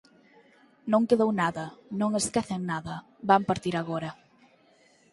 Non quedou nada, non esquecen nada, van partir agora.